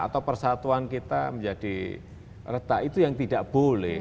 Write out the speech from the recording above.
atau persatuan kita menjadi retak itu yang tidak boleh